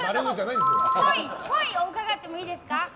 っぽいを伺ってもいいですか？